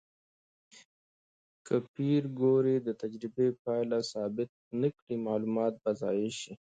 که پېیر کوري د تجربې پایله ثبت نه کړي، معلومات به ضایع شي.